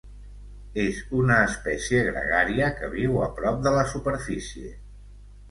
És una espècie gregària que viu a prop de la superfície.